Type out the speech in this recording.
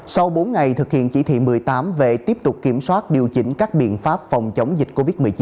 sau bốn ngày thực hiện chỉ thị một mươi tám về tiếp tục kiểm soát điều chỉnh các biện pháp phòng chống dịch covid một mươi chín